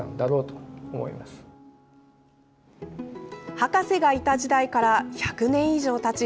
博士がいた時代から１００年以上たち